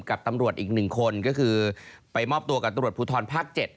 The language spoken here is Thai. กับตำรวจอีกหนึ่งคน